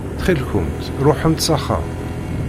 Ttxil-kent ruḥemt s axxam.